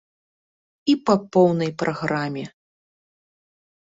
І па поўнай праграме!